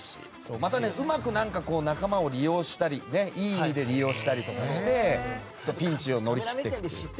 また、うまく仲間を利用したりいい意味で利用したりしてピンチを乗り切ったり。